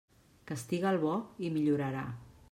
Castiga el bo, i millorarà.